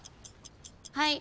はい。